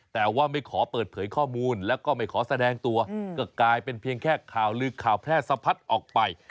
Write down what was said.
แต่ว่าไม่ขอเปิดเผยข้อมูลแล้วก็ไม่ขอแสดงตัวก็กลายเป็นเพียงแค่ข่าวลือข่าวแพร่สะพัดออกไป